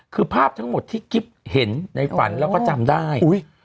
คือภาพทั้งหมดที่กิ๊บเห็นในฝันแล้วก็จำได้